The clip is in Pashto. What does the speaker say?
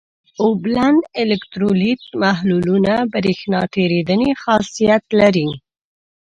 اوبلن الکترولیت محلولونه برېښنا تیریدنه خاصیت لري.